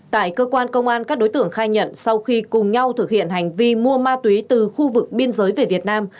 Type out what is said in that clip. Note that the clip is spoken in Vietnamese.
tại cơ quan công an các đối tượng khai nhận sau khi cùng nhau thực hiện hành vi mua ma túy từ khu vực biên giới về việt nam